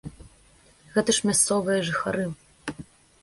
Гэта ж мясцовыя жыхары!